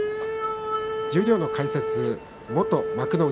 十両の解説は元幕内